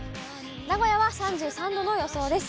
名古屋は３３度の予想です。